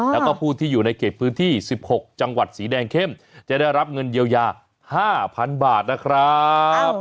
แล้วก็ผู้ที่อยู่ในเขตพื้นที่๑๖จังหวัดสีแดงเข้มจะได้รับเงินเยียวยา๕๐๐๐บาทนะครับ